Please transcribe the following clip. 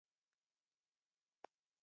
خاکشیر د ګرمۍ لپاره ښه دی.